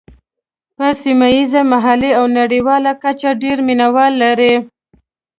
په سیمه ییزه، ملي او نړیواله کچه ډېر مینوال لري.